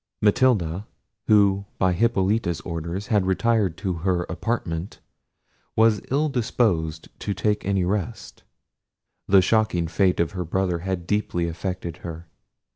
Matilda, who by Hippolita's order had retired to her apartment, was ill disposed to take any rest. The shocking fate of her brother had deeply affected her.